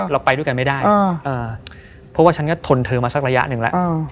เราไปด้วยกันไม่ได้เพราะว่าฉันก็ทนเธอมาสักระยะหนึ่งแล้ว